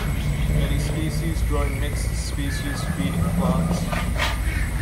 Many species join mixed-species feeding flocks.